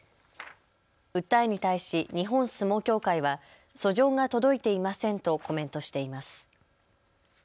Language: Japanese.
訴えに対し日本相撲協会は訴状が届いていませんとコメントしています。